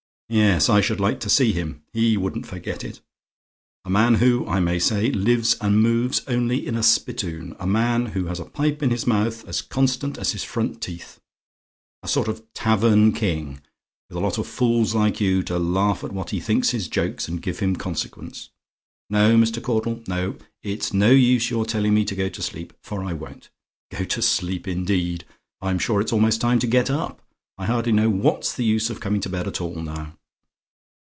Yes, I should like to see him. He wouldn't forget it. A man who, I may say, lives and moves only in a spittoon. A man who has a pipe in his mouth as constant as his front teeth. A sort of tavern king, with a lot of fools like you to laugh at what he thinks his jokes, and give him consequence. No, Mr. Caudle, no; it's no use your telling me to go to sleep, for I won't. Go to sleep, indeed! I'm sure it's almost time to get up. I hardly know what's the use of coming to bed at all now.